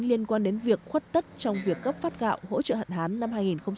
liên quan đến việc khuất tất trong việc cấp phát gạo hỗ trợ hạn hán năm hai nghìn hai mươi